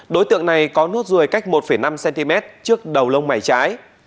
đối tượng này có nốt ruồi cách một năm cm trước đầu lông mày trái